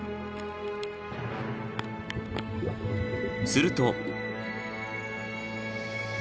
［すると］